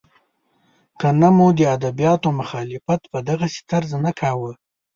که نه مو د ادبیاتو مخالفت په دغسې طرز نه کاوه.